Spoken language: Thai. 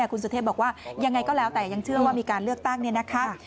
คุณสุเทพบอกว่ายังไงก็แล้วแต่ยังเชื่อว่ามีการเลือกตั้งเนี่ยนะคะ